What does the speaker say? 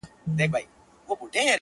د حُسن وږم دې د سترگو زمانه و نه خوري!!